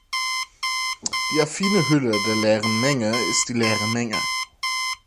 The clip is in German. Die affine Hülle der leeren Menge ist die leere Menge.